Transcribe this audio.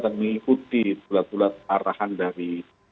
dan mengikuti bulat bulat arahan dari